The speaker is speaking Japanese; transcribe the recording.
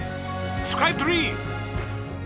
スカイツリー！